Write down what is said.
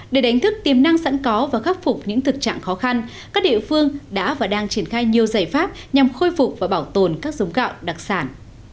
để đánh thức tiềm năng sẵn có và khắc phục những thực trạng khó khăn các địa phương đã và đang triển khai nhiều giải pháp nhằm khôi phục và bảo tồn các giống gạo đặc sản